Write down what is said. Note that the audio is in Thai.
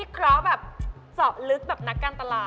คุณคะคุณตูนคุณมิ้ง